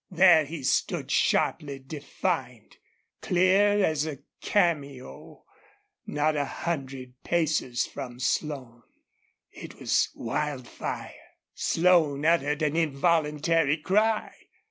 There he stood sharply defined, clear as a cameo, not a hundred paces from Slone. It was Wildfire. Slone uttered an involuntary cry.